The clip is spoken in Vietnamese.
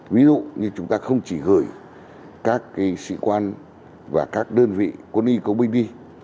ví dụ như chúng ta không chỉ gửi các sĩ quan và các đơn vị quân y công binh đi